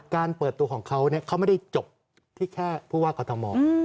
การเปิดตัวของเขาเขาไม่ได้จบที่แค่ผู้ว่ากอทม